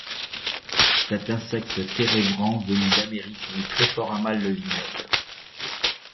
Cet insecte térébrant venu d'Amérique mis très fortement à mal le vignoble.